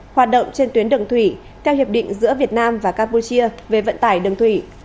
hoạt động trên tuyến đường thủy theo hiệp định giữa việt nam và campuchia về vận tải đường thủy